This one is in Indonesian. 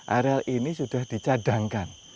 areal ini sudah dicadangkan